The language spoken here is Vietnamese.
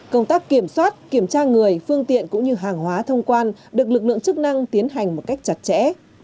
công tác kiểm soát kiểm tra người phương tiện cũng như hàng hóa thông quan được lực lượng chức năng tiến hành một cách chặt chẽ